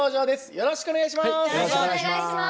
よろしくお願いします。